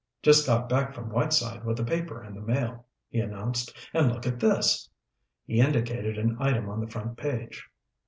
"Just got back from Whiteside with the paper and the mail," he announced. "And look at this!" He indicated an item on the front page.